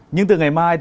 nhưng từ ngày mai